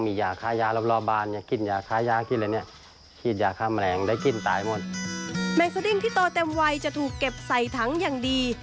แมงสดิ้งที่โตเต็มวัยจะถูกเก็บใส่ถังอย่างดี